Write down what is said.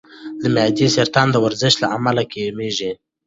د معدې سرطان د ورزش له امله کمېږي.